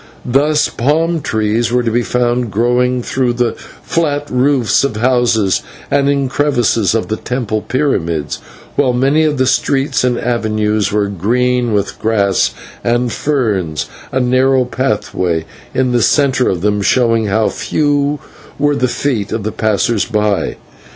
Thus palm trees were to be found growing through the flat roofs of houses, and in crevices of the temple pyramids, while many of the streets and avenues were green with grass and ferns, a narrow pathway in the centre of them showing how few were the feet of the passers by.